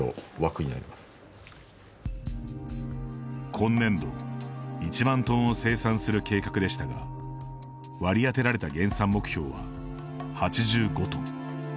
今年度１万トンを生産する計画でしたが割り当てられた減産目標は８５トン。